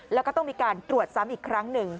แล้วก็ต้องมีการตรวจซ้ำอีกครั้งหนึ่ง